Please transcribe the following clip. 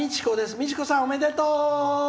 みちこさん、おめでとう！